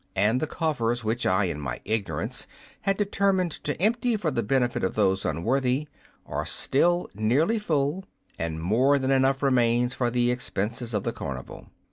And the coffers which I, in my ignorance, had determined to empty for the benefit of those unworthy, are still nearly full, and more than enough remains for the expenses of the carnival.